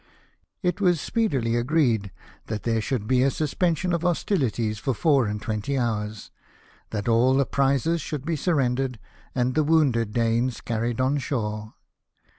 It was speedily agreed that there should be a suspension of hostilities for four and twenty hours, that all the prizes should be surrendered, and the wounded Danes carried on shore.